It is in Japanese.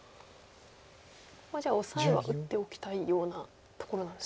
じゃあオサエは打っておきたいようなところなんですか。